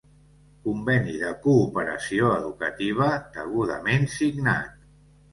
Conveni de cooperació educativa, degudament signat.